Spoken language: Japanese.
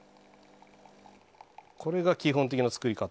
これが基本的な作り方。